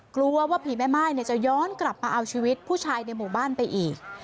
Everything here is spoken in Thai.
กลัวว่าผีแม่ม่ายจะย้อนกลับมาเอาชีวิตผู้ชายในหมู่บ้านไปอีก